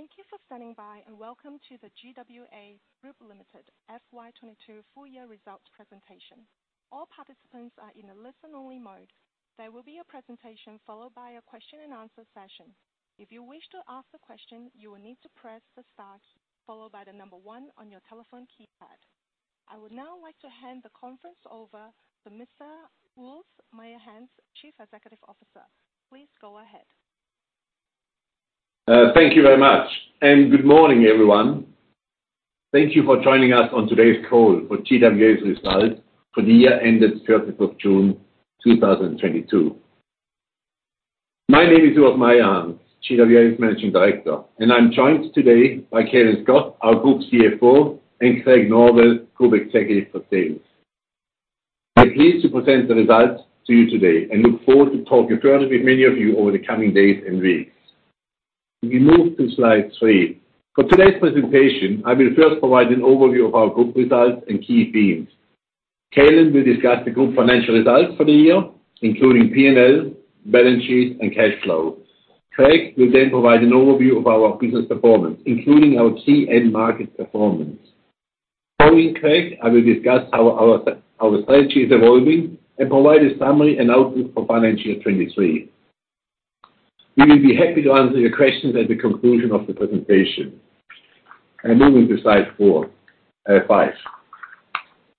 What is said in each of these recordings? Thank you for standing by, and welcome to the GWA Group Limited FY2022 Full Year Results Presentation. All participants are in a listen-only mode. There will be a presentation followed by a question and answer session. If you wish to ask the question, you will need to press the star followed by the number one on your telephone keypad. I would now like to hand the conference over to Mr. Urs Meyerhans, Chief Executive Officer. Please go ahead. Thank you very much. Good morning, everyone. Thank you for joining us on today's call for GWA's results for the year ended 30 June 2022. My name is Urs Meyerhans, GWA's Managing Director, and I'm joined today by Calin Scott, our Group CFO, and Craig Norwell, Group Executive for Sales. I'm pleased to present the results to you today and look forward to talk further with many of you over the coming days and weeks. We move to slide three. For today's presentation, I will first provide an overview of our group results and key themes. Calin will discuss the group financial results for the year, including P&L, balance sheet, and cash flow. Craig will then provide an overview of our business performance, including our key end market performance. Following Craig, I will discuss how our strategy is evolving and provide a summary and outlook for FY2023. We will be happy to answer your questions at the conclusion of the presentation. Moving to slide four, five.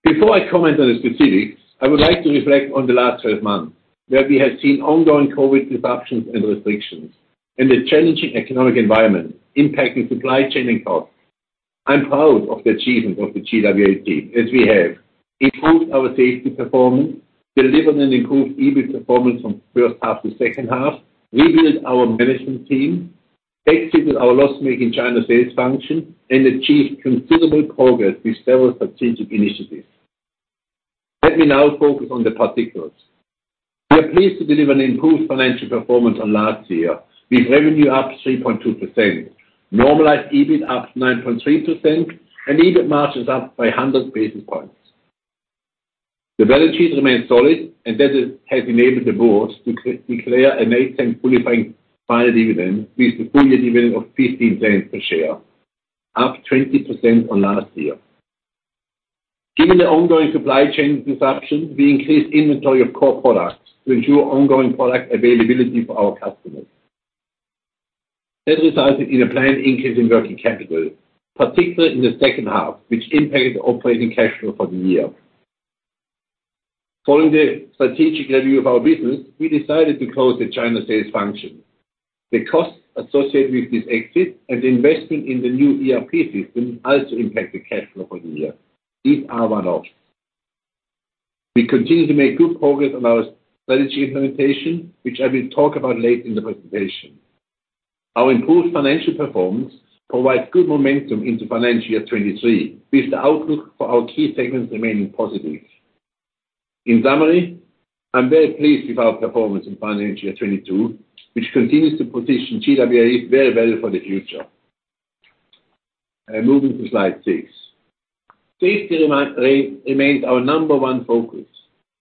Before I comment on the specifics, I would like to reflect on the last 12 months where we have seen ongoing COVID disruptions and restrictions and a challenging economic environment impacting supply chain and costs. I'm proud of the achievement of the GWA team as we have improved our safety performance, delivered an improved EBIT performance from first half to second half, rebuilt our management team, exited our loss-making China sales function, and achieved considerable progress with several strategic initiatives. Let me now focus on the particulars. We are pleased to deliver an improved financial performance on last year with revenue up 3.2%, normalized EBIT up 9.3%, and EBIT margins up by 100 basis points. The balance sheet remains solid, and that has enabled the board to declare an 0.08 fully franked final dividend with the full year dividend of 0.15 per share, up 20% on last year. Given the ongoing supply chain disruption, we increased inventory of core products to ensure ongoing product availability for our customers. That resulted in a planned increase in working capital, particularly in the second half, which impacted operating cash flow for the year. Following the strategic review of our business, we decided to close the China sales function. The cost associated with this exit and investing in the new ERP system also impacted cash flow for the year with a loss. We continue to make good progress on our strategy implementation, which I will talk about later in the presentation. Our improved financial performance provides good momentum into financial year 23, with the outlook for our key segments remaining positive. In summary, I'm very pleased with our performance in financial year 22, which continues to position GWA very well for the future. Moving to slide six. Safety remains our number one focus.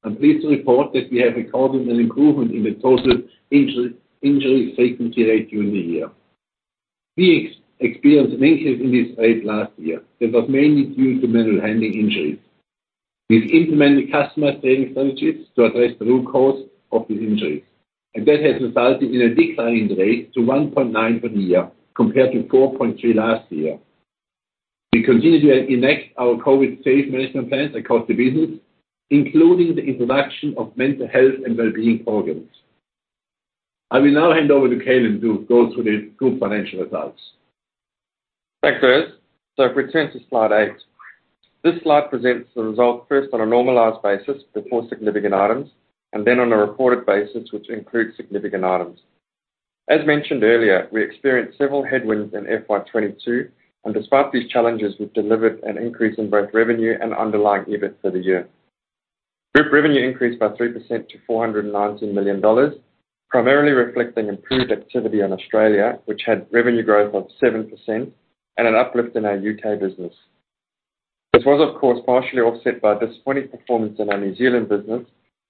I'm pleased to report that we have recorded an improvement in the total injury frequency rate during the year. We experienced an increase in this rate last year. That was mainly due to manual handling injuries. We've implemented cost-saving strategies to address the root cause of the injuries, and that has resulted in a decline in rate to 1.9 for the year compared to 4.3 last year. We continue to enact our COVID safe management plans across the business, including the introduction of mental health and wellbeing programs. I will now hand over to Calin to go through the group financial results. Thanks, Urs. If we turn to slide eight. This slide presents the results first on a normalized basis before significant items, and then on a reported basis, which includes significant items. As mentioned earlier, we experienced several headwinds in FY2022, and despite these challenges, we've delivered an increase in both revenue and underlying EBIT for the year. Group revenue increased by 3% to 419 million dollars, primarily reflecting improved activity in Australia, which had revenue growth of 7% and an uplift in our U.K. business. This was, of course, partially offset by disappointing performance in our New Zealand business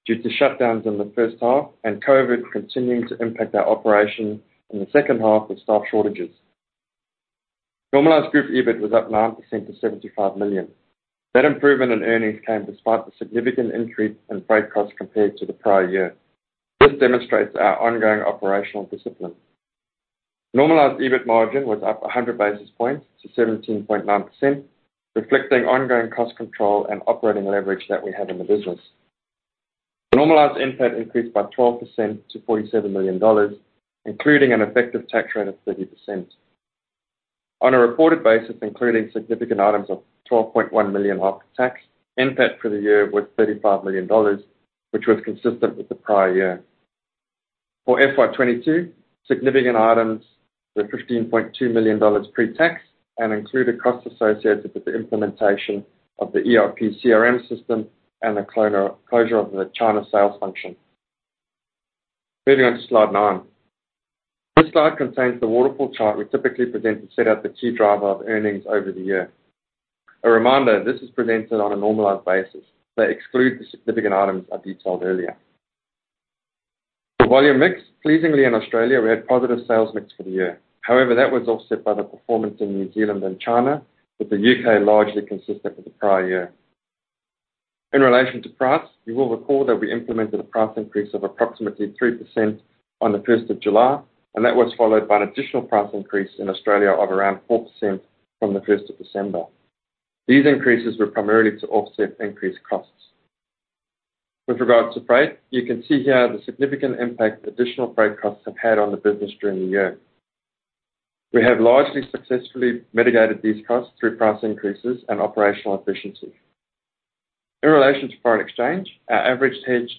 due to shutdowns in the first half and COVID continuing to impact our operation in the second half with staff shortages. Normalized group EBIT was up 9% to 75 million. That improvement in earnings came despite the significant increase in freight costs compared to the prior year. This demonstrates our ongoing operational discipline. Normalized EBIT margin was up 100 basis points to 17.9%, reflecting ongoing cost control and operating leverage that we have in the business. Normalized NPAT increased by 12% to 47 million dollars, including an effective tax rate of 30%. On a reported basis, including significant items of 12.1 million after tax, NPAT for the year was 35 million dollars, which was consistent with the prior year. For FY2022, significant items were 15.2 million dollars pre-tax and included costs associated with the implementation of the ERP CRM system and the closure of the China sales function. Moving on to slide nine. This slide contains the waterfall chart we typically present to set out the key driver of earnings over the year. A reminder, this is presented on a normalized basis that excludes the significant items I detailed earlier. The volume mix. Pleasingly, in Australia, we had positive sales mix for the year. However, that was offset by the performance in New Zealand and China, with the U.K. largely consistent with the prior year. In relation to price, you will recall that we implemented a price increase of approximately 3% on the first of July, and that was followed by an additional price increase in Australia of around 4% from the first of December. These increases were primarily to offset increased costs. With regards to freight, you can see here the significant impact additional freight costs have had on the business during the year. We have largely successfully mitigated these costs through price increases and operational efficiency. In relation to foreign exchange, our average hedge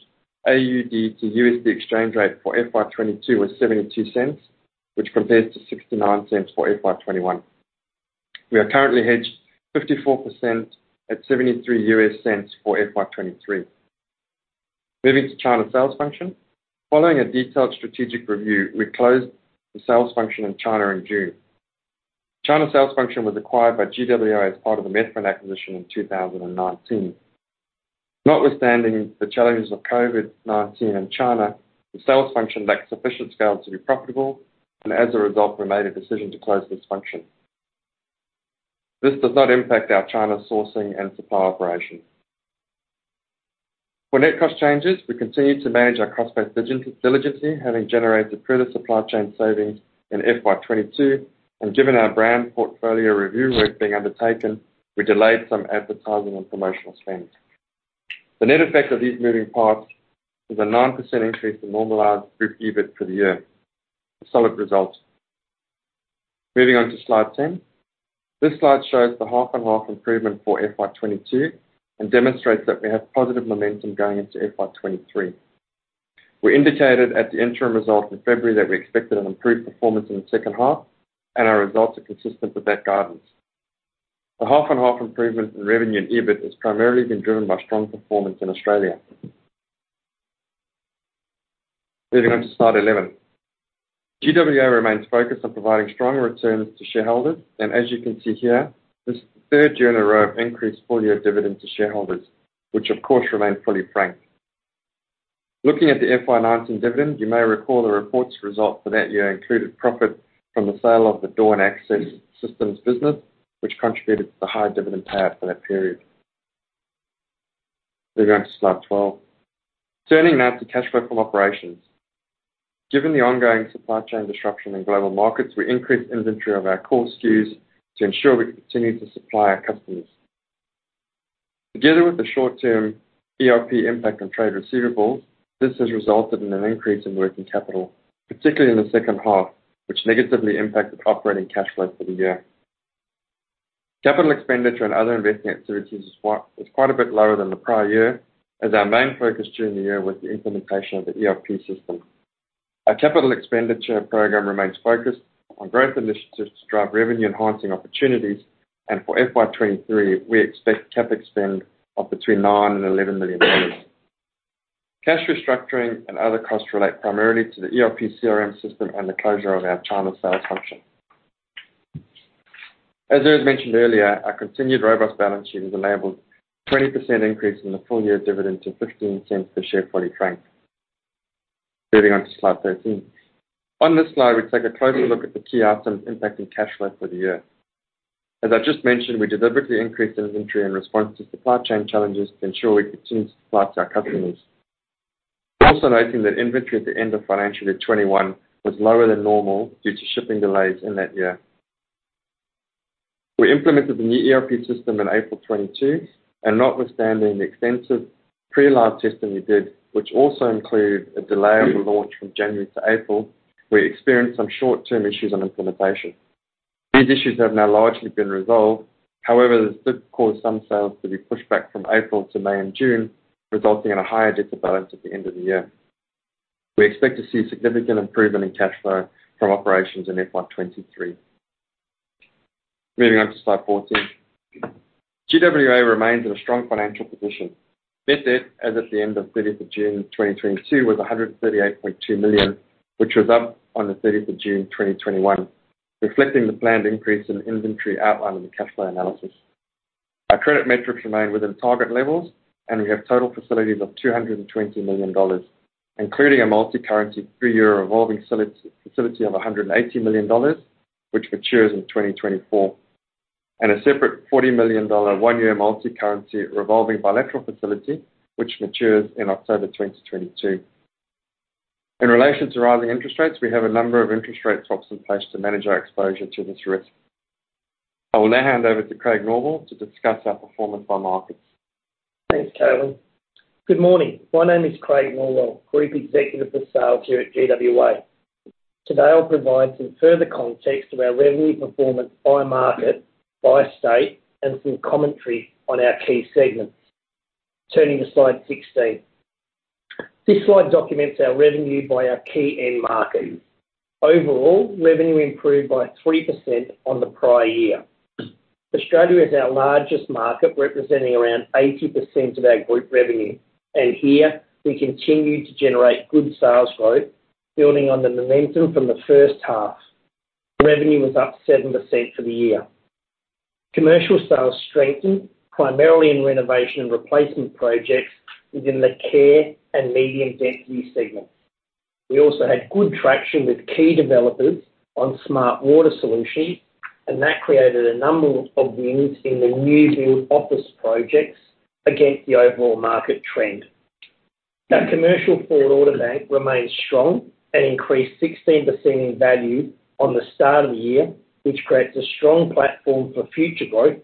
AUD to USD exchange rate for FY2022 was $0.72, which compares to $0.69 for FY2021. We are currently hedged 54% at $0.73 for FY2023. Moving to China sales function. Following a detailed strategic review, we closed the sales function in China in June. China sales function was acquired by GWA as part of the Methven acquisition in 2019. Notwithstanding the challenges of COVID-19 in China, the sales function lacked sufficient scale to be profitable, and as a result, we made a decision to close this function. This does not impact our China sourcing and supply operations. For net cost changes, we continue to manage our cost-based due diligence, having generated further supply chain savings in FY2022, and given our brand portfolio review work being undertaken, we delayed some advertising and promotional spends. The net effect of these moving parts is a 9% increase in normalized group EBIT for the year. A solid result. Moving on to slide 10. This slide shows the half-on-half improvement for FY2022 and demonstrates that we have positive momentum going into FY2023. We indicated at the interim result in February that we expected an improved performance in the second half, and our results are consistent with that guidance. The half-on-half improvement in revenue and EBIT has primarily been driven by strong performance in Australia. Moving on to slide 11. GWA remains focused on providing strong returns to shareholders, and as you can see here, this is the third year in a row of increased full-year dividend to shareholders, which of course remains fully franked. Looking at the FY2019 dividend, you may recall the reported result for that year included profit from the sale of the Door and Access Systems business, which contributed to the high dividend payout for that period. Moving on to slide 12. Turning now to cash flow from operations. Given the ongoing supply chain disruption in global markets, we increased inventory of our core SKUs to ensure we continue to supply our customers. Together with the short-term ERP impact on trade receivables, this has resulted in an increase in working capital, particularly in the second half, which negatively impacted operating cash flow for the year. Capital expenditure and other investing activities is quite a bit lower than the prior year, as our main focus during the year was the implementation of the ERP system. Our capital expenditure program remains focused on growth initiatives to drive revenue-enhancing opportunities, and for FY2023, we expect CapEx spend of between 9 million and 11 million dollars. Cash restructuring and other costs relate primarily to the ERP CRM system and the closure of our China sales function. As I had mentioned earlier, our continued robust balance sheet has enabled 20% increase in the full year dividend to 0.15 per share fully franked. Moving on to slide 13. On this slide, we take a closer look at the key items impacting cash flow for the year. As I've just mentioned, we deliberately increased inventory in response to supply chain challenges to ensure we continue to supply to our customers. Also noting that inventory at the end of FY2021 was lower than normal due to shipping delays in that year. We implemented the new ERP system in April 2022, and notwithstanding the extensive pre-live testing we did, which also include a delay of the launch from January to April, we experienced some short-term issues on implementation. These issues have now largely been resolved. However, this did cause some sales to be pushed back from April to May and June, resulting in a higher debtor balance at the end of the year. We expect to see significant improvement in cash flow from operations in FY2023. Moving on to slide 14. GWA remains in a strong financial position. Net debt as at the end of 30 June 2022 was 138.2 million, which was up on the 30 June 2021, reflecting the planned increase in inventory outlined in the cash flow analysis. Our credit metrics remain within target levels, and we have total facilities of 220 million dollars, including a multi-currency three-year revolving facility of 180 million dollars, which matures in 2024, and a separate 40 million dollar one-year multicurrency revolving bilateral facility, which matures in October 2022. In relation to rising interest rates, we have a number of interest rate swaps in place to manage our exposure to this risk. I will now hand over to Craig Norwell to discuss our performance by markets. Thanks, Calin. Good morning. My name is Craig Norwell, Group Executive for Sales here at GWA. Today, I'll provide some further context of our revenue performance by market, by state, and some commentary on our key segments. Turning to slide 16. This slide documents our revenue by our key end markets. Overall, revenue improved by 3% on the prior year. Australia is our largest market, representing around 80% of our group revenue. Here we continue to generate good sales growth, building on the momentum from the first half. Revenue was up 7% for the year. Commercial sales strengthened primarily in renovation and replacement projects within the care and medium density segments. We also had good traction with key developers on smart water solutions, and that created a number of wins in the new build office projects against the overall market trend. Our commercial forward order bank remains strong and increased 16% in value on the start of the year, which creates a strong platform for future growth,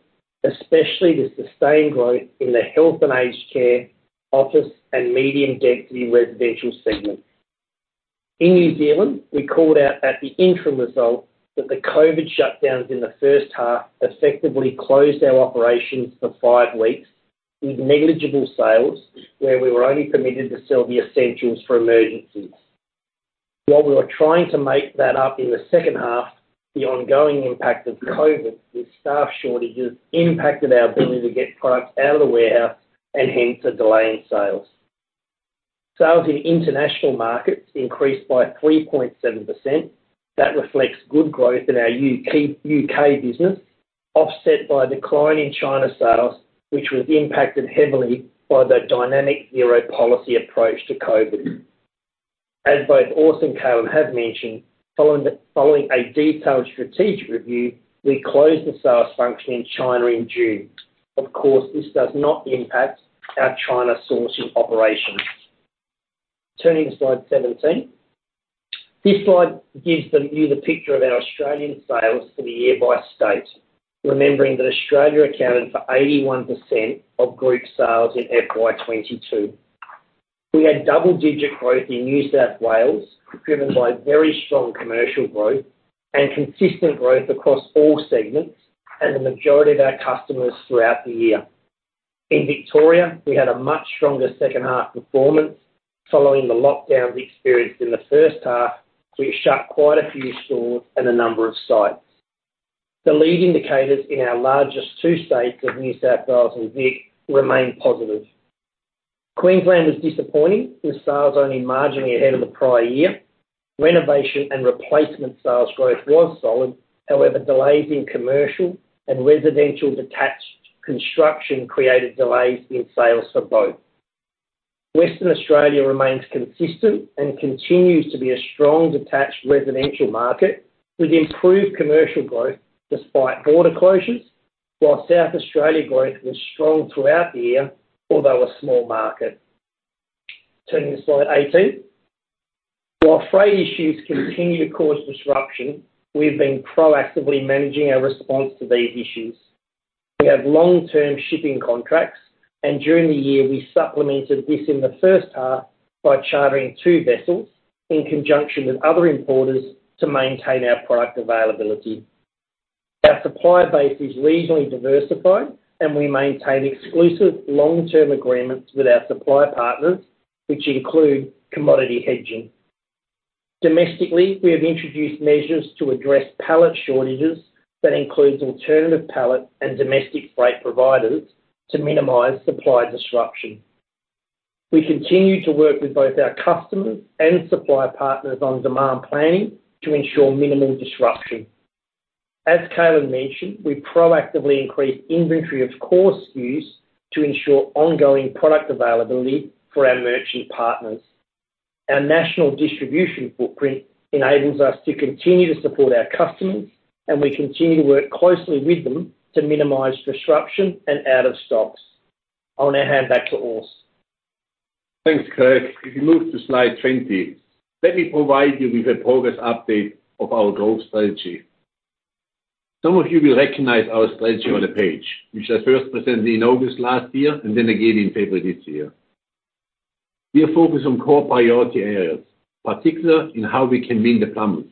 especially with sustained growth in the health and aged care, office and medium density residential segments. In New Zealand, we called out at the interim result that the COVID shutdowns in the first half effectively closed our operations for five weeks, with negligible sales, where we were only permitted to sell the essentials for emergencies. While we were trying to make that up in the second half, the ongoing impact of COVID with staff shortages impacted our ability to get products out of the warehouse and hence a delay in sales. Sales in international markets increased by 3.7%. That reflects good growth in our U.K. business, offset by a decline in China sales, which was impacted heavily by the dynamic zero policy approach to COVID-19. As both Urs and Calin have mentioned, following a detailed strategic review, we closed the sales function in China in June. Of course, this does not impact our China sourcing operations. Turning to slide 17. This slide gives you the picture of our Australian sales for the year by state. Remembering that Australia accounted for 81% of group sales in FY2022. We had double-digit growth in New South Wales, driven by very strong commercial growth and consistent growth across all segments and the majority of our customers throughout the year. In Victoria, we had a much stronger second half performance following the lockdowns experienced in the first half, which shut quite a few stores and a number of sites. The lead indicators in our largest two states of New South Wales and Vic remain positive. Queensland was disappointing, with sales only marginally ahead of the prior year. Renovation and replacement sales growth was solid, however, delays in commercial and residential detached construction created delays in sales for both. Western Australia remains consistent and continues to be a strong detached residential market, with improved commercial growth despite border closures. While South Australia growth was strong throughout the year, although a small market. Turning to slide 18. While freight issues continue to cause disruption, we've been proactively managing our response to these issues. We have long-term shipping contracts, and during the year, we supplemented this in the first half by chartering two vessels in conjunction with other importers to maintain our product availability. Our supplier base is regionally diversified, and we maintain exclusive long-term agreements with our supplier partners, which include commodity hedging. Domestically, we have introduced measures to address pallet shortages that includes alternative pallet and domestic freight providers to minimize supply disruption. We continue to work with both our customers and supplier partners on demand planning to ensure minimal disruption. As Calin mentioned, we proactively increased inventory of core SKUs to ensure ongoing product availability for our merchant partners. Our national distribution footprint enables us to continue to support our customers, and we continue to work closely with them to minimize disruption and out of stocks. I'll now hand back to Urs. Thanks, Craig. If you move to slide 20, let me provide you with a progress update of our growth strategy. Some of you will recognize our strategy on the page, which I first presented in August last year and then again in February this year. We are focused on core priority areas, particularly in how we can win the plumbers,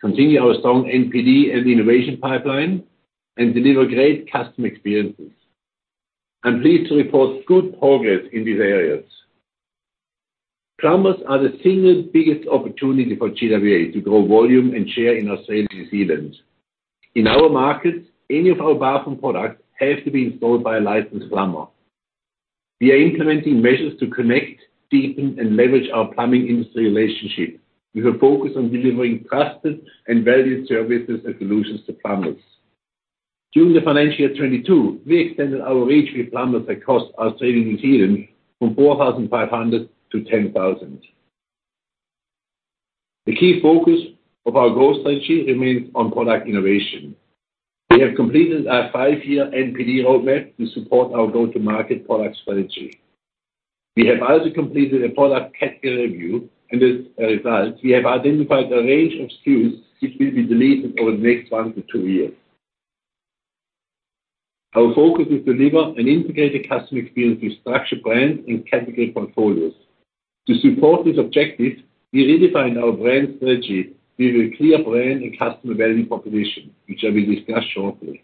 continue our strong NPD and innovation pipeline, and deliver great customer experiences. I'm pleased to report good progress in these areas. Plumbers are the single biggest opportunity for GWA to grow volume and share in Australia and New Zealand. In our markets, any of our bathroom products have to be installed by a licensed plumber. We are implementing measures to connect, deepen, and leverage our plumbing industry relationship. We are focused on delivering trusted and valued services and solutions to plumbers. During the financial year 2022, we extended our reach with plumbers across Australia and New Zealand from 4,500 to 10,000. The key focus of our growth strategy remains on product innovation. We have completed our five year NPD roadmap to support our go-to-market product strategy. We have also completed a product category review, and as a result, we have identified a range of SKUs which will be deleted over the next one to two years. Our focus is to deliver an integrated customer experience with structured brand and category portfolios. To support this objective, we redefined our brand strategy with a clear brand and customer value proposition, which I will discuss shortly.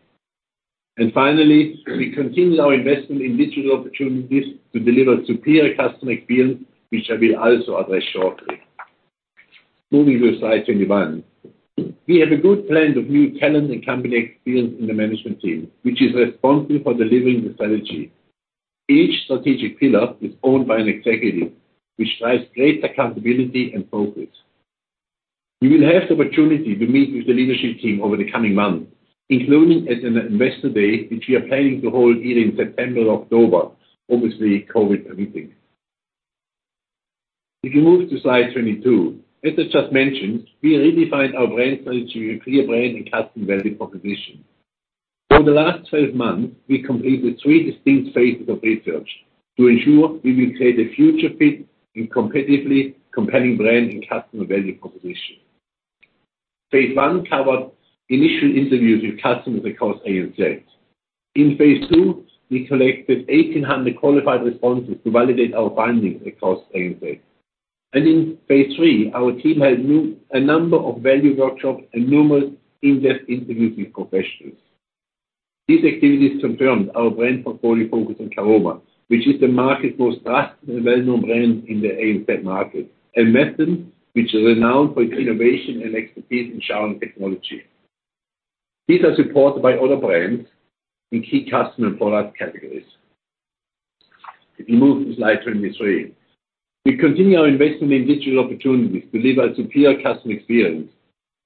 Finally, we continue our investment in digital opportunities to deliver superior customer experience, which I will also address shortly. Moving to slide 21. We have a good blend of new talent and company experience in the management team, which is responsible for delivering the strategy. Each strategic pillar is owned by an executive, which drives great accountability and focus. We will have the opportunity to meet with the leadership team over the coming months, including at an investor day, which we are planning to hold either in September or October, obviously COVID permitting. If you move to slide 22. As I just mentioned, we redefined our brand strategy with clear brand and customer value proposition. Over the last 12 months, we completed three distinct phases of research to ensure we will create a future fit and competitively compelling brand and customer value proposition. Phase I covered initial interviews with customers across ANZ. In phase II, we collected 1,800 qualified responses to validate our findings across ANZ. In phase three, our team had a number of value workshops and numerous in-depth interviews with professionals. These activities confirmed our brand portfolio focus on Caroma, which is the market's most trusted and well-known brand in the ANZ market, and Methven, which is renowned for its innovation and expertise in shower technology. These are supported by other brands in key customer product categories. If you move to slide 23. We continue our investment in digital opportunities to deliver a superior customer experience.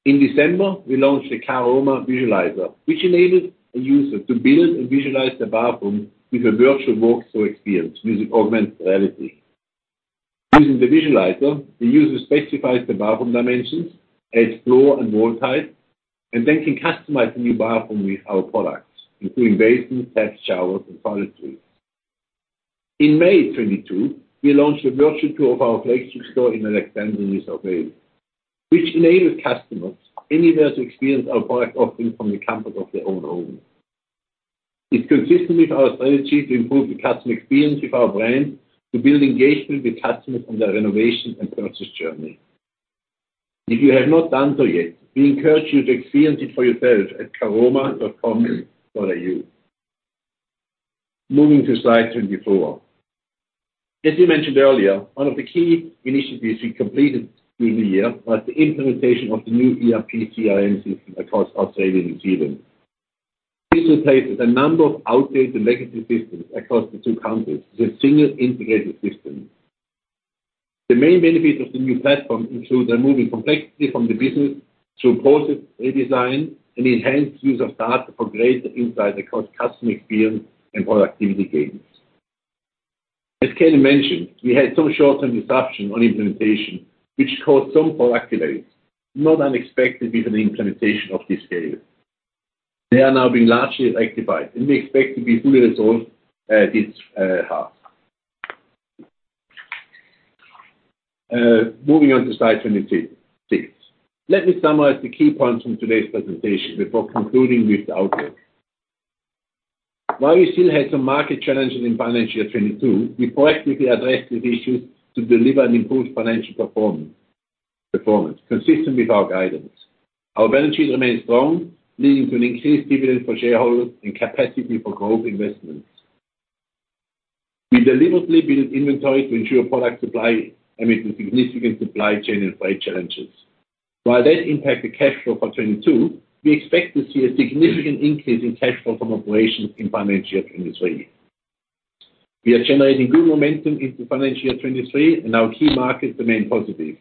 In December, we launched the Caroma Visualiser, which enabled a user to build and visualize their bathroom with a virtual walkthrough experience using augmented reality. Using the Visualizer, the user specifies the bathroom dimensions, adds floor and wall tiles, and then can customize the new bathroom with our products, including basins, baths, showers, and toilets. In May 2022, we launched a virtual tour of our flagship store in Alexandria, New South Wales, which enables customers anywhere to experience our product offering from the comfort of their own home. It's consistent with our strategy to improve the customer experience with our brand to build engagement with customers on their renovation and purchase journey. If you have not done so yet, we encourage you to experience it for yourself at caroma.com.au. Moving to slide 24. As we mentioned earlier, one of the key initiatives we completed through the year was the implementation of the new ERP CRM system across Australia and New Zealand. This replaces a number of outdated legacy systems across the two countries with a single integrated system. The main benefit of the new platform includes removing complexity from the business through process redesign and enhanced use of data for greater insight across customer experience and productivity gains. As Calin mentioned, we had some short-term disruption on implementation, which caused some poor accuracy, not unexpected with an implementation of this scale. They are now being largely rectified, and we expect to be fully resolved this half. Moving on to slide 26. Let me summarize the key points from today's presentation before concluding with the outlook. While we still had some market challenges in financial year 2022, we proactively addressed these issues to deliver an improved financial performance consistent with our guidance. Our balance sheet remains strong, leading to an increased dividend for shareholders and capacity for growth investments. We deliberately built inventory to ensure product supply amidst the significant supply chain and freight challenges. While that impacted cash flow for 2022, we expect to see a significant increase in cash flow from operations in FY2023. We are generating good momentum into FY2023. Our key markets remain positive.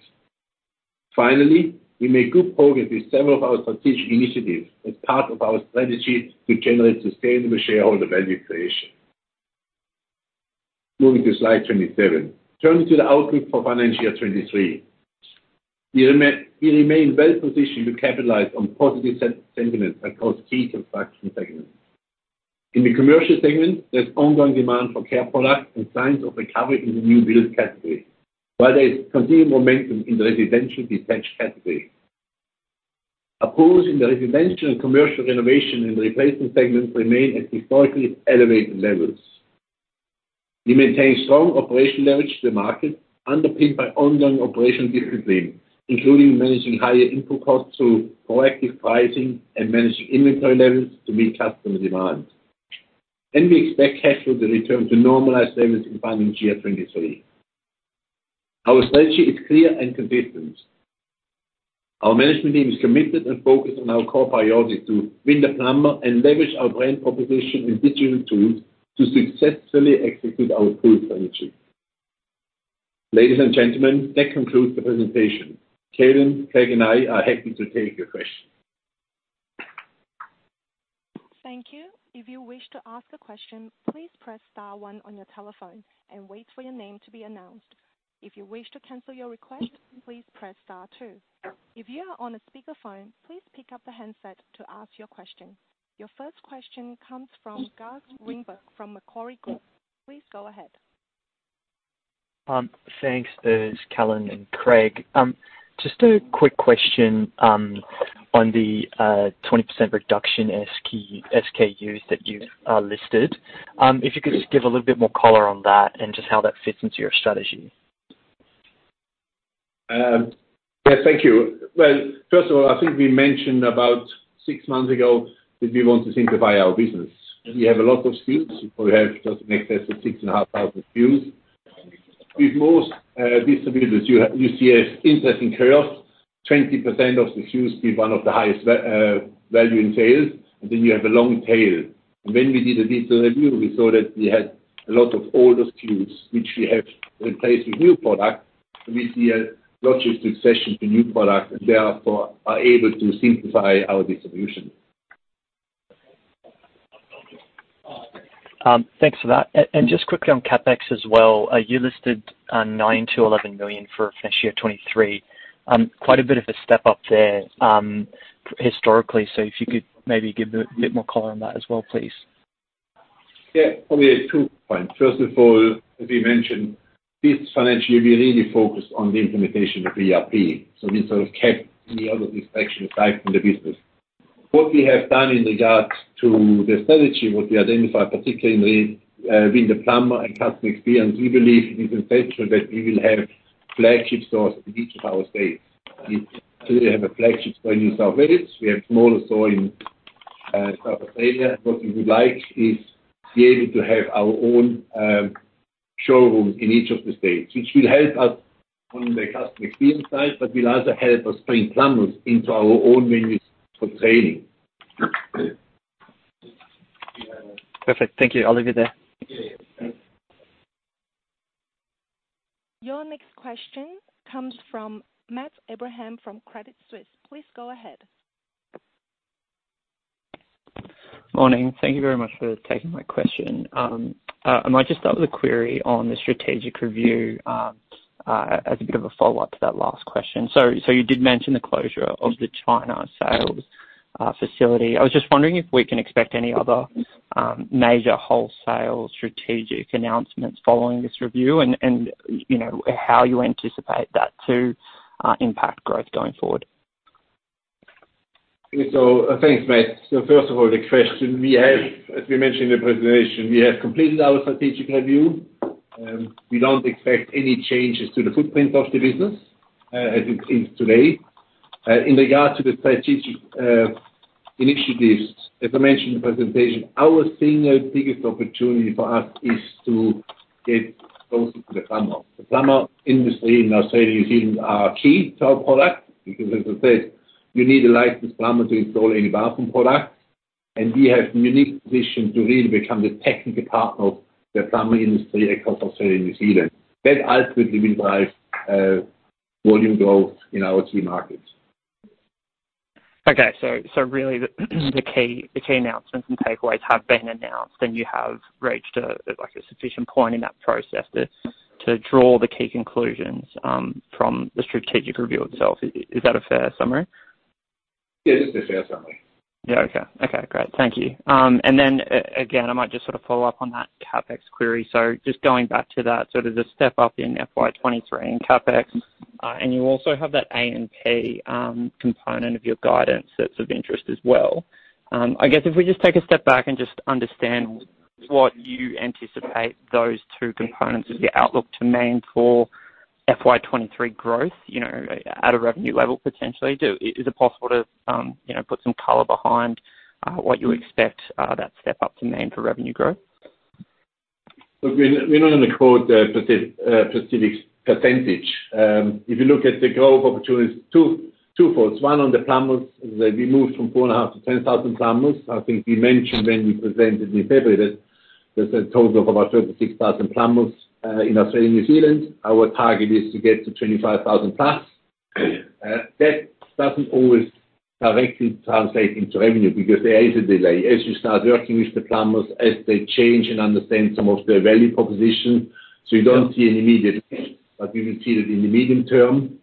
We made good progress with several of our strategic initiatives as part of our strategy to generate sustainable shareholder value creation. Moving to slide 27. Turning to the outlook for FY2023. We remain well positioned to capitalize on positive sentiment across key construction segments. In the commercial segment, there's ongoing demand for core products and signs of recovery in the new build category, while there is continued momentum in the residential detached category. Volumes in the residential and commercial renovation and replacement segments remain at historically elevated levels. We maintain strong operational leverage to the market, underpinned by ongoing operational discipline, including managing higher input costs through proactive pricing and managing inventory levels to meet customer demand. We expect cash flow to return to normalized levels in FY2023. Our strategy is clear and consistent. Our management team is committed and focused on our core priority to win the plumber and leverage our brand proposition and digital tools to successfully execute our growth strategy. Ladies and gentlemen, that concludes the presentation. Calin, Craig, and I are happy to take your questions. Thank you. If you wish to ask a question, please press star one on your telephone and wait for your name to be announced. If you wish to cancel your request, please press star two. If you are on a speakerphone, please pick up the handset to ask your question. Your first question comes from Bruce Greenberg from Macquarie Group. Please go ahead. Urs, Calin and Craig. Just a quick question on the 20% reduction SKUs that you've listed. If you could just give a little bit more color on that and just how that fits into your strategy. Yeah, thank you. Well, first of all, I think we mentioned about six months ago that we want to simplify our business. We have a lot of SKUs. We have just in excess of 6,500 SKUs. With most distributors, you see an interesting curve. 20% of the SKUs be one of the highest value in sales, and then you have a long tail. When we did a detailed review, we saw that we had a lot of older SKUs which we have replaced with new product. We see a larger succession to new product, and therefore are able to simplify our distribution. Thanks for that. Just quickly on CapEx as well, you listed 9 to 11 million for FY2023. Quite a bit of a step up there, historically. If you could maybe give a bit more color on that as well, please. Yeah. Probably two points. First of all, as we mentioned, this financial year, we really focused on the implementation of ERP. We sort of kept any other distraction aside from the business. What we have done in regard to the strategy, what we identified, particularly, with the plumber and customer experience, we believe it is essential that we will have flagship stores in each of our states. We currently have a flagship store in New South Wales. We have smaller store in South Australia. What we would like is be able to have our own showroom in each of the states, which will help us on the customer experience side, but will also help us bring plumbers into our own venues for training. Perfect. Thank you. I'll leave it there. Yeah. Your next question comes from Matt Abraham from Credit Suisse. Please go ahead. Morning. Thank you very much for taking my question. I might just start with a query on the strategic review, as a bit of a follow-up to that last question. You did mention the closure of the China sales facility. I was just wondering if we can expect any other major wholesale strategic announcements following this review and you know, how you anticipate that to impact growth going forward? Thanks, Matt. First of all, the question. We have, as we mentioned in the presentation, completed our strategic review. We don't expect any changes to the footprint of the business, as it is today. In regard to the strategic initiatives, as I mentioned in the presentation, our single biggest opportunity for us is to get closer to the plumber. The plumbing industry in Australia and New Zealand are key to our product because as I said, you need a licensed plumber to install any bathroom product. We have unique position to really become the technical partner of the plumbing industry across Australia and New Zealand. That ultimately will drive volume growth in our two markets. Okay. Really the key announcements and takeaways have been announced, and you have reached a like a sufficient point in that process to draw the key conclusions from the strategic review itself. Is that a fair summary? Yes, it's a fair summary. Yeah. Okay. Okay, great. Thank you. Again, I might just sort of follow up on that CapEx query. Just going back to that sort of step up in FY2023 in CapEx, and you also have that A&P component of your guidance that's of interest as well. I guess if we just take a step back and just understand what you anticipate those two components of your outlook to mean for FY2023 growth, you know, at a revenue level, potentially. Is it possible to, you know, put some color behind what you expect that step up to mean for revenue growth? Look, we're not gonna quote a specific percentage. If you look at the growth opportunities twofold. One on the plumbers, that we moved from 4,500 to 10,000 plumbers. I think we mentioned when we presented in February that there's a total of about 36,000 plumbers in Australia and New Zealand. Our target is to get to 25,000+. That doesn't always directly translate into revenue because there is a delay. As you start working with the plumbers, as they change and understand some of their value proposition. You don't see an immediate change, but you will see that in the medium term.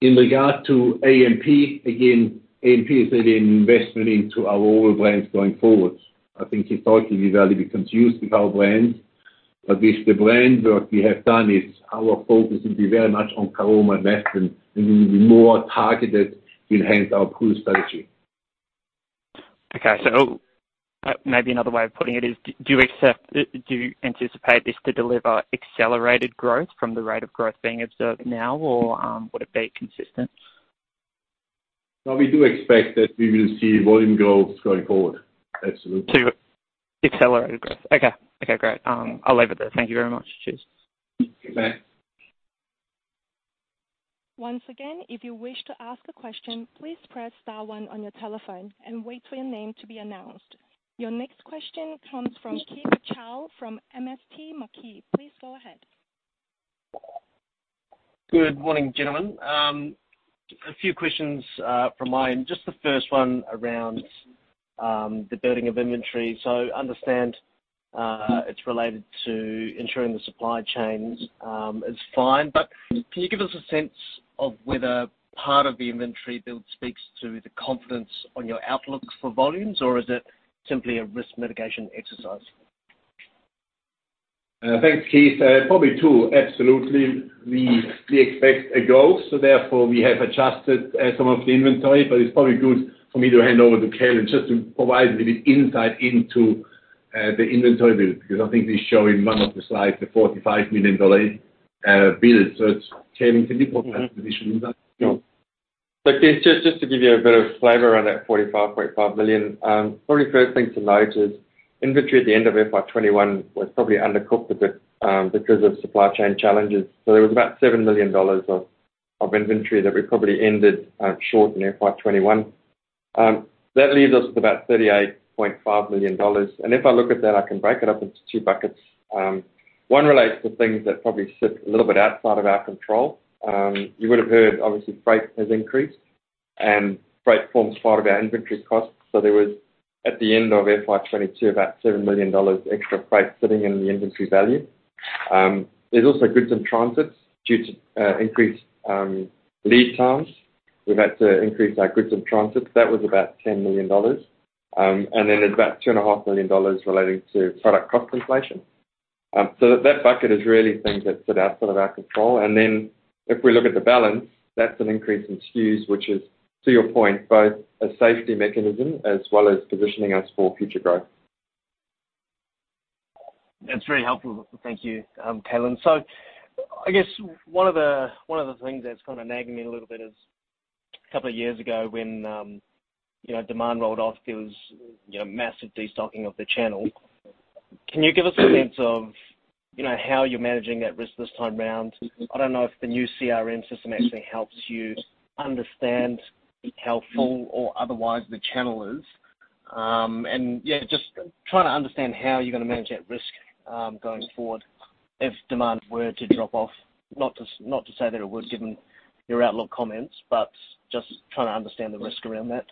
In regard to A&P, again, A&P is an investment into our overall brands going forward. I think historically, value has been used with our brands, but with the brand work we have done, our focus will be very much on Caroma and Methven, and we will be more targeted to enhance our pull strategy. Okay. Maybe another way of putting it is, do you anticipate this to deliver accelerated growth from the rate of growth being observed now or would it be consistent? No, we do expect that we will see volume growth going forward. Absolutely. To accelerated growth. Okay. Okay, great. I'll leave it there. Thank you very much. Cheers. Thanks, Matt. Once again, if you wish to ask a question, please press star one on your telephone and wait for your name to be announced. Your next question comes from Keith Chau from MST Marquee. Please go ahead. Good morning, gentlemen. A few questions from my end. Just the first one around the building of inventory. Understand it's related to ensuring the supply chains is fine. Can you give us a sense of whether part of the inventory build speaks to the confidence on your outlook for volumes, or is it simply a risk mitigation exercise? Thanks, Keith. Probably two. Absolutely. We expect a growth, so therefore we have adjusted some of the inventory. But it's probably good for me to hand over to Calin just to provide a bit of insight into the inventory build, because I think he's showing one of the slides, the 45 million dollar build. Calin, can you provide some additional insight? Sure. Look, Keith, just to give you a bit of flavor on that 45.5 million. Probably first thing to note is inventory at the end of FY2021 was probably undercooked a bit, because of supply chain challenges. There was about 7 million dollars of inventory that we probably ended short in FY2021. That leaves us with about 38.5 million dollars. If I look at that, I can break it up into two buckets. One relates to things that probably sit a little bit outside of our control. You would have heard, obviously, freight has increased and freight forms part of our inventory costs. There was, at the end of FY2022, about 7 million dollars extra freight sitting in the inventory value. There's also goods in transit due to increased lead times. We've had to increase our goods in transit. That was about 10 million dollars. There's about 2.5 million dollars relating to product cost inflation. That bucket is really things that sit outside of our control. If we look at the balance, that's an increase in SKUs, which is to your point, both a safety mechanism as well as positioning us for future growth. That's very helpful. Thank you, Calin. I guess one of the things that's kind of nagging me a little bit is a couple of years ago when, you know, demand rolled off, there was, you know, massive destocking of the channel. Can you give us a sense of, you know, how you're managing that risk this time round? I don't know if the new CRM system actually helps you understand how full or otherwise the channel is. Yeah, just trying to understand how you're going to manage that risk, going forward if demand were to drop off. Not to say that it would, given your outlook comments, but just trying to understand the risk around that.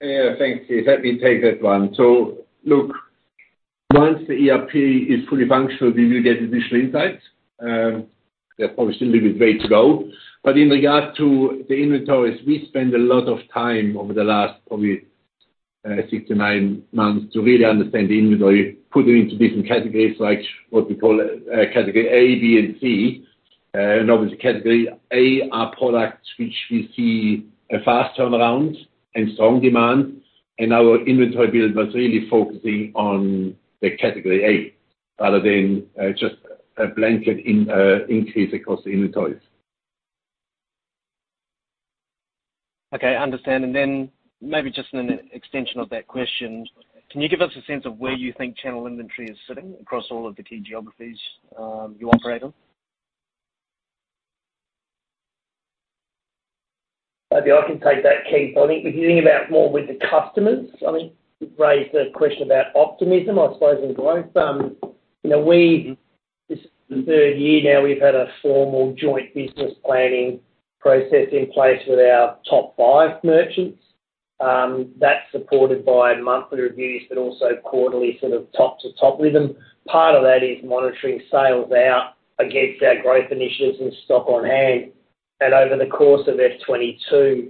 Yeah. Thanks, Keith. Let me take that one. Look, once the ERP is fully functional, we will get additional insights. There probably still will be way to go. In regard to the inventories, we spend a lot of time over the last probably, six to nine months to really understand the inventory, put it into different categories like what we call, category A, B and C. Obviously category A are products which we see a fast turnaround and strong demand. Our inventory build was really focusing on the category A rather than just a blanket increase across the inventories. Okay, I understand. Maybe just an extension of that question, can you give us a sense of where you think channel inventory is sitting across all of the key geographies, you operate on? Maybe I can take that, Keith. I think if you think about more with the customers, I mean, you raised a question about optimism, I suppose, in growth. You know, this is the third year now we've had a formal joint business planning process in place with our top five merchants. That's supported by monthly reviews, but also quarterly sort of top to top rhythm. Part of that is monitoring sales out against our growth initiatives and stock on hand. Over the course of FY2022,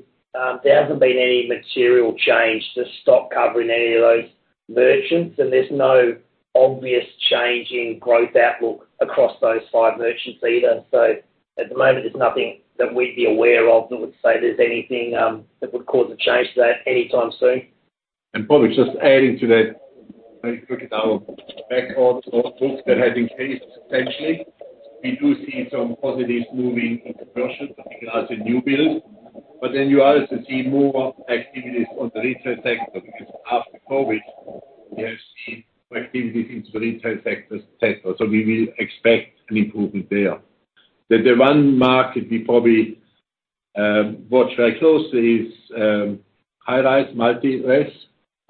there hasn't been any material change to stock cover in any of those merchants, and there's no obvious change in growth outlook across those five merchants either. At the moment, there's nothing that we'd be aware of that would say there's anything that would cause a change to that anytime soon. Probably just adding to that very quickly, our backlogs or books that have increased substantially. We do see some positives moving into commercial, particularly as a new build. You also see more activities on the retail sector because after COVID, we have seen activities into the retail sector settle. We will expect an improvement there. The one market we probably watch very closely is high-rise multi-res.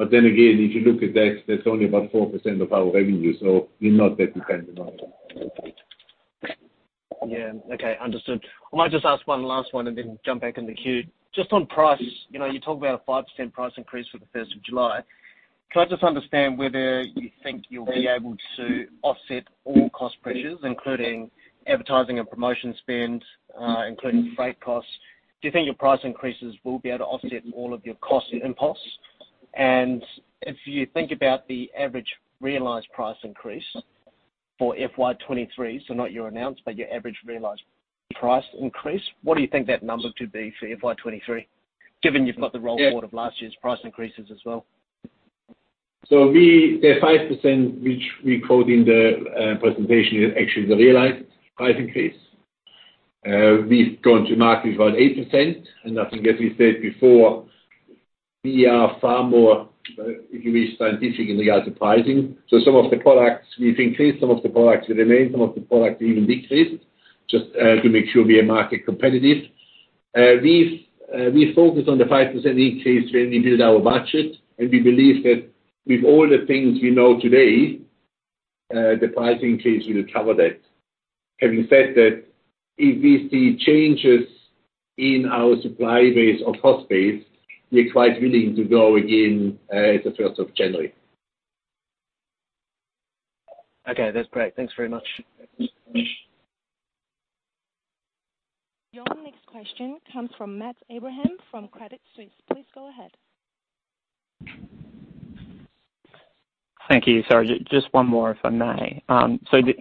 If you look at that's only about 4% of our revenue. We're not that dependent on it. Yeah. Okay, understood. I might just ask one last one and then jump back in the queue. Just on price. You know, you talked about a 5% price increase for the first of July. Can I just understand whether you think you'll be able to offset all cost pressures, including advertising and promotion spend, including freight costs? Do you think your price increases will be able to offset all of your costs and inputs? If you think about the average realized price increase for FY2023, so not your announced but your average realized price increase, what do you think that number to be for FY2023, given you've got the roll forward of last year's price increases as well? The 5% which we quote in the presentation is actually the realized price increase. We've gone to market with about 8%. I think as we said before, we are far more, if you wish, scientific in regard to pricing. Some of the products we've increased, some of the products remain, some of the products we even decreased just to make sure we are market competitive. We focus on the 5% increase when we build our budget, and we believe that with all the things we know today, the pricing increase will cover that. Having said that, if we see changes in our supply base or cost base, we're quite willing to go again at the first of January. Okay, that's great. Thanks very much. Your next question comes from Matt Abraham from Credit Suisse. Please go ahead. Thank you. Sorry, just one more, if I may.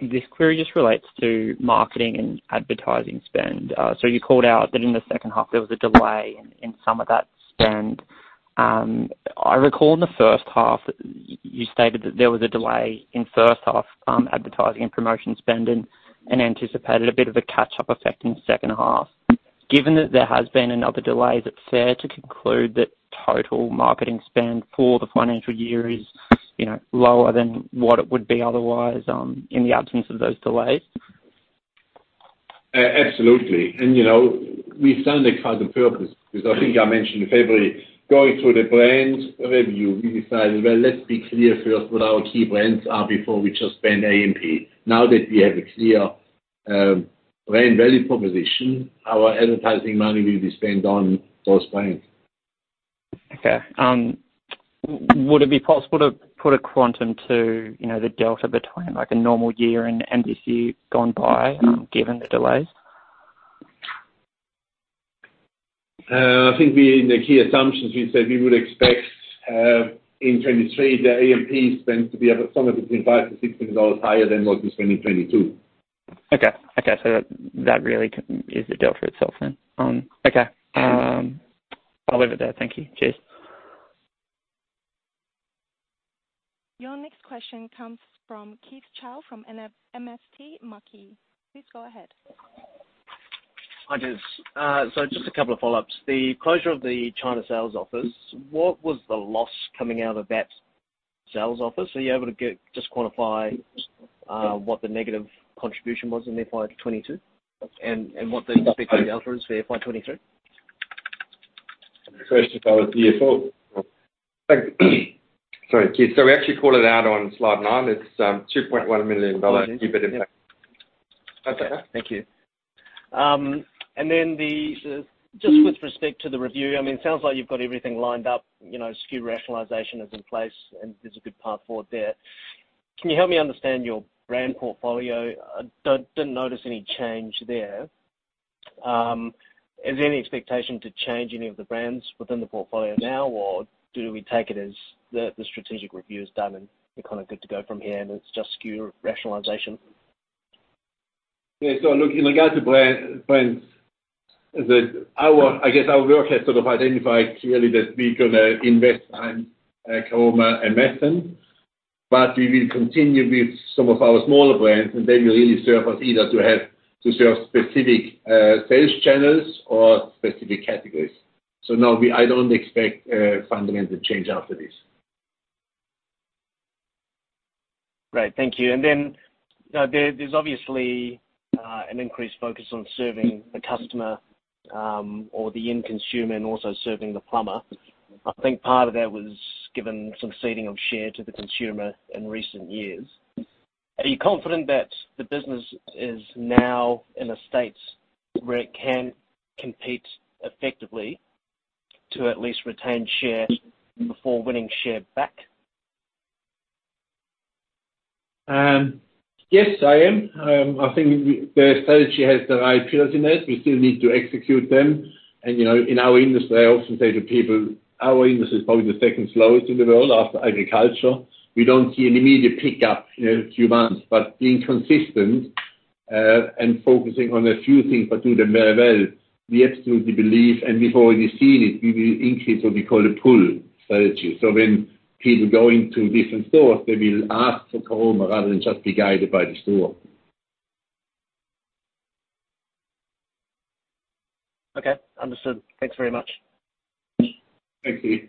This query just relates to marketing and advertising spend. You called out that in the second half there was a delay in some of that spend. I recall in the first half that you stated that there was a delay in first half advertising and promotion spend and anticipated a bit of a catch up effect in second half. Given that there has been another delay, is it fair to conclude that total marketing spend for the financial year is, you know, lower than what it would be otherwise, in the absence of those delays? Absolutely. You know, we've done it for the purpose. Because I think I mentioned in February, going through the brand review, we decided, well, let's be clear first what our key brands are before we just spend A&P. Now that we have a clear, brand value proposition, our advertising money will be spent on those brands. Okay. Would it be possible to put a quantum to, you know, the delta between like a normal year and this year gone by, given the delays? I think the key assumptions we said we would expect in 2023, the A&P spend to be up somewhere between 5 million-6 million dollars higher than what was 2022. Okay. That is the delta itself then. I'll leave it there. Thank you. Cheers. Your next question comes from Keith Chau from MST Marquee. Please go ahead. Hi, guys. Just a couple of follow-ups. The closure of the China sales office, what was the loss coming out of that sales office? Are you able to just quantify what the negative contribution was in FY2022 and what the expected outcome is for FY2023? First, if I was to hear full. Thanks. Sorry, Keith. We actually called it out on slide nine. It's 2.1 million dollar EBIT impact. Okay, thank you. Just with respect to the review, I mean, it sounds like you've got everything lined up. You know, SKU rationalization is in place, and there's a good path forward there. Can you help me understand your brand portfolio? I didn't notice any change there. Is there any expectation to change any of the brands within the portfolio now, or do we take it as the strategic review is done and you're kinda good to go from here and it's just SKU rationalization? Yeah. Look, in regards to brands, our work has sort of identified clearly that we're gonna invest on Caroma and Methven, but we will continue with some of our smaller brands, and they will really serve us either to have to serve specific sales channels or specific categories. No, I don't expect a fundamental change after this. Great. Thank you. There's obviously an increased focus on serving the customer, or the end consumer and also serving the plumber. I think part of that was given some ceding of share to the consumer in recent years. Are you confident that the business is now in a state where it can compete effectively to at least retain share before winning share back? Yes, I am. I think the strategy has the right pillars in it. We still need to execute them. You know, in our industry, I often say to people, our industry is probably the second slowest in the world after agriculture. We don't see an immediate pickup in a few months. Being consistent, and focusing on a few things but do them very well, we absolutely believe, and we've already seen it, we will increase what we call a pull strategy. When people go into different stores, they will ask for Caroma rather than just be guided by the store. Okay. Understood. Thanks very much. Thank you.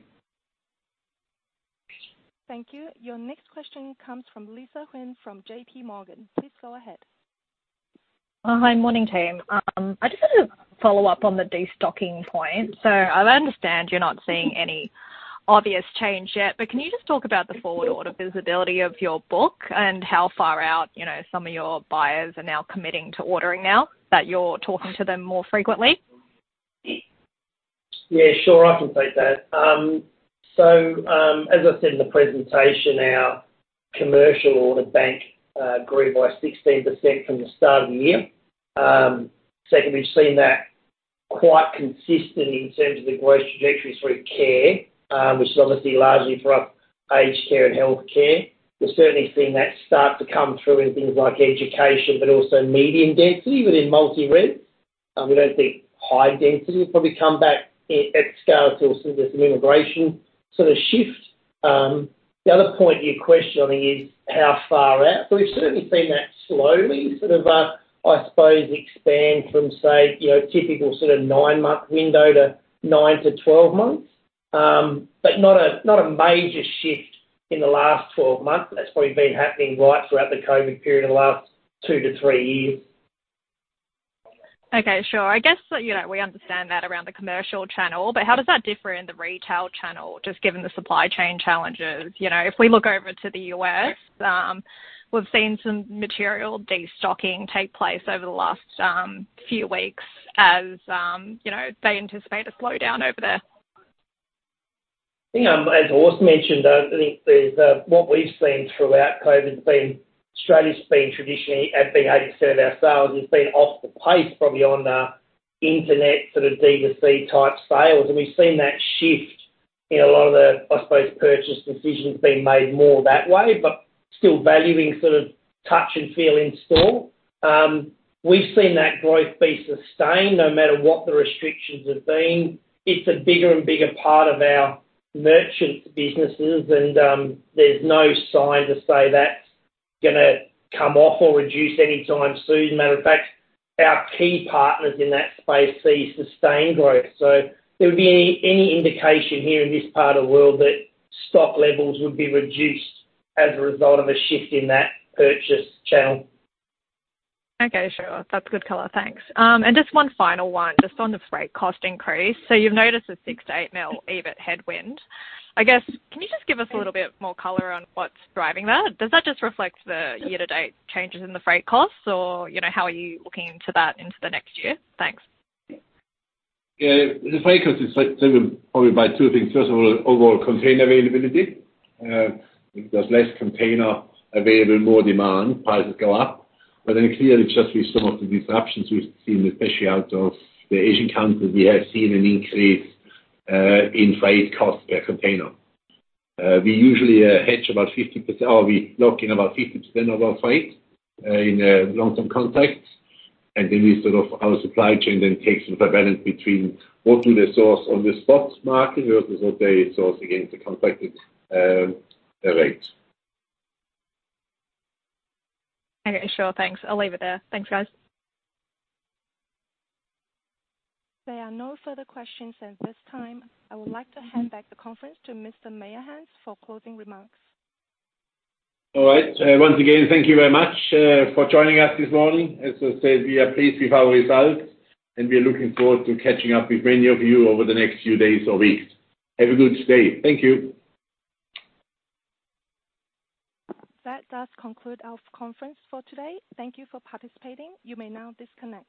Thank you. Your next question comes from Lisa Huynh from J.P. Morgan. Please go ahead. Hi. Morning, team. I just wanted to follow up on the destocking point. I understand you're not seeing any obvious change yet, but can you just talk about the forward order visibility of your book and how far out, you know, some of your buyers are now committing to ordering now that you're talking to them more frequently? Yeah, sure. I can take that. As I said in the presentation, our commercial order bank grew by 16% from the start of the year. Secondly, we've seen that quite consistent in terms of the growth trajectory through care, which is obviously largely for our aged care and health care. We're certainly seeing that start to come through in things like education, but also medium density within multi-res. We don't think high density will probably come back at scale till there's some immigration sort of shift. The other point of your question, I think, is how far out. We've certainly seen that slowly sort of, I suppose expand from say, you know, typical sort of nine month window to nine to 12 months. Not a major shift in the last 12 months. That's probably been happening right throughout the COVID period in the last two to three years. Okay, sure. I guess, you know, we understand that around the commercial channel, but how does that differ in the retail channel, just given the supply chain challenges? You know, if we look over to the U.S., we've seen some material destocking take place over the last, few weeks as, you know, they anticipate a slowdown over there. Yeah. As Urs mentioned, I think what we've seen throughout COVID has been Australia's been traditionally at 80% of our sales. It's been off the pace probably on internet sort of D2C type sales. We've seen that shift in a lot of the, I suppose, purchase decisions being made more that way, but still valuing sort of touch and feel in store. We've seen that growth be sustained no matter what the restrictions have been. It's a bigger and bigger part of our merchant businesses, and there's no sign to say that's gonna come off or reduce any time soon. Matter of fact, our key partners in that space see sustained growth. There would be no indication here in this part of the world that stock levels would be reduced as a result of a shift in that purchase channel. Okay, sure. That's good color. Thanks. Just one final one, just on the freight cost increase. You've noticed a 6-8 million EBIT headwind. I guess, can you just give us a little bit more color on what's driving that? Does that just reflect the year-to-date changes in the freight costs? You know, how are you looking into that into the next year? Thanks. Yeah. The freight costs is driven probably by two things. First of all, overall container availability. There's less container available, more demand, prices go up. Clearly just with some of the disruptions we've seen, especially out of the Asian countries, we have seen an increase in freight costs per container. We usually lock in about 50% of our freight in long-term contracts. Our supply chain then takes the balance between what do they source on the spot market versus what they source against the contracted rates. Okay, sure. Thanks. I'll leave it there. Thanks, guys. There are no further questions at this time. I would like to hand back the conference to Mr. Meyerhans for closing remarks. All right. Once again, thank you very much for joining us this morning. As I said, we are pleased with our results, and we are looking forward to catching up with many of you over the next few days or weeks. Have a good day. Thank you. That does conclude our conference for today. Thank you for participating. You may now disconnect.